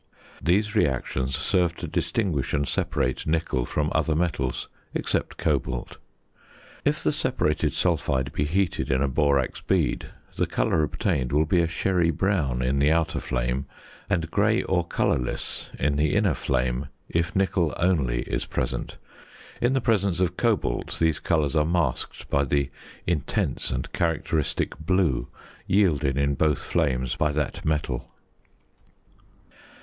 These reactions serve to distinguish and separate nickel from other metals, except cobalt. If the separated sulphide be heated in a borax bead, the colour obtained will be a sherry brown in the outer flame, and grey or colourless in the inner flame if nickel only is present. In the presence of cobalt these colours are masked by the intense and characteristic blue yielded in both flames by that metal.